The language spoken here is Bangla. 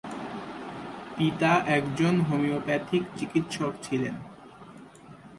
পিতা একজন হোমিওপ্যাথিক চিকিৎসক ছিলেন।